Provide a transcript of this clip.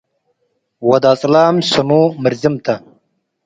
ወድ አጽላም፤ ስሙ ምርዝም ተ ።